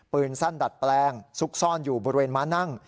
ปืนสั้นดัดแปลงซุกซ่อนอยู่บริเวณม้านั่ง